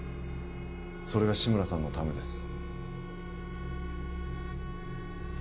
それが志村さんのためです